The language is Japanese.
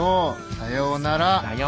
さようなら。